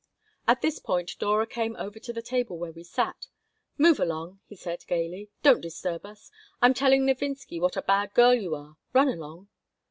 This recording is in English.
At this point Dora came over to the table where we sat. "Move along!" he said, gaily. "Don't disturb us. I am telling Levinsky what a bad girl you are. Run along."